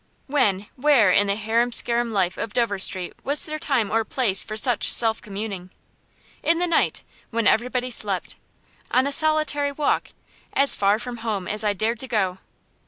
When, where in the harum scarum life of Dover Street was there time or place for such self communing? In the night, when everybody slept; on a solitary walk, as far from home as I dared to go.